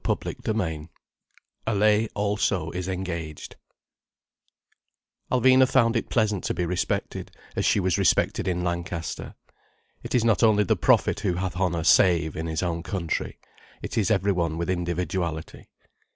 CHAPTER XII ALLAYE ALSO IS ENGAGED Alvina found it pleasant to be respected as she was respected in Lancaster. It is not only the prophet who hath honour save in his own country: it is every one with individuality.